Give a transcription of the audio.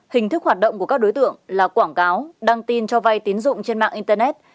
hình thức hoạt động của các đối tượng là quảng cáo đăng tin cho vay tín dụng trên mạng internet